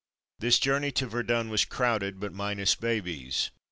This journey to Verdun was crowded, but minus babies.